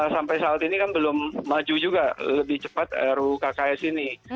sampai saat ini kan belum maju juga lebih cepat ruu kks ini